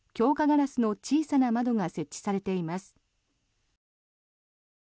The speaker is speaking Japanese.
ガラスの小さな窓が設置されています。